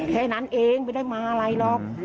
แค่นั้นเองไม่ได้มาอะไรหรอก